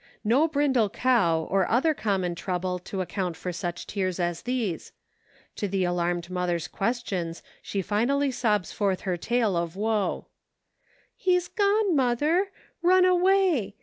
No brindle cow or other common trouble to account for such tears as these. To 34 IN SEARCH OF HOME. the alarmed mother's questions she finally sobs forth her tale of woe :" He's gone, mother ; run away